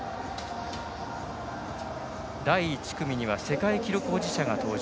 第１組には世界記録保持者が登場。